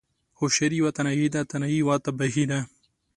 هوشیاری یوه تنهایی ده، تنهایی یوه تباهی ده